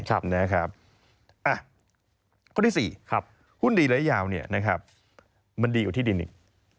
คนที่สี่หุ้นดีหรือยาวมันดีกว่าที่ดินอีก